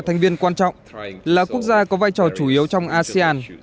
thành viên quan trọng là quốc gia có vai trò chủ yếu trong asean